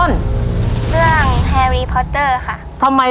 เย็นมากลุ่ม